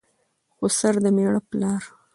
خسر دمېړه پلار